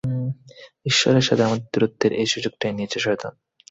ঈশ্বরের সাথে আমাদের দূরত্বের এই সুযোগটাই নিয়েছে শয়তান!